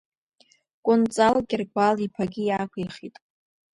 Кәынҵал Гьаргәал-иԥагьы иаақәихит.